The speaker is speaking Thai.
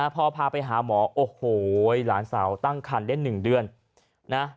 พ่อพาไปหาหมอโอ้โหหลานสาวตั้งคันเล่นหนึ่งเดือน